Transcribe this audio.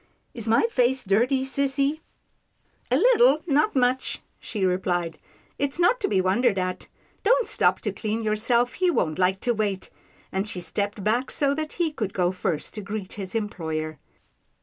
Is my face dirty, sissy ?"" A little, not much," she replied, " it's not to be wondered at. Don't stop to clean yourself, he won't like to wait," and she stepped back, so that he could go first to greet his employer.